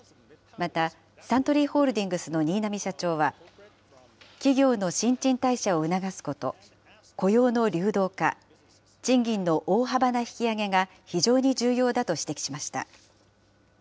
また、サントリーホールディングスの新浪社長は、企業の新陳代謝を促すこと、雇用の流動化、賃金の大幅な引き上げが非常に重要だと指摘しました。